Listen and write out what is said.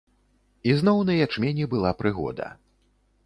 Ізноў на ячмені была прыгода.